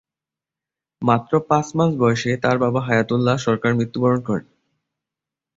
মাত্র পাঁচ মাস বয়সে তার বাবা হায়াত উল্লাহ সরকার মৃত্যুবরণ করেন।